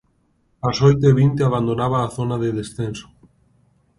Ás oito e vinte abandonaba a zona de descenso.